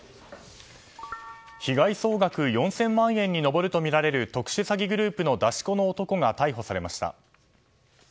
被害総額４０００万円に上るとみられる特殊詐欺グループの出し子の男が逮捕されました。